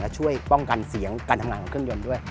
ช่วยป้องกันเสียงการทำงานของเครื่องยนต์ด้วย